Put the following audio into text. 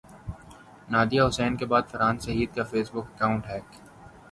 Nadia Hussain کے بعد فرحان سعید کا فیس بک اکانٹ ہیک